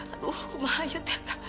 aduh mahal ya atu